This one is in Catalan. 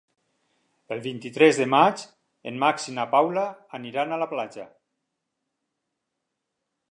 El vint-i-tres de maig en Max i na Paula aniran a la platja.